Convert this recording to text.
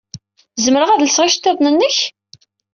Zemreɣ ad lseɣ iceḍḍiḍen-nnek?